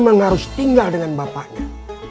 memang harus tinggal dengan bapaknya